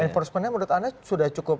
enforcementnya menurut anda sudah cukup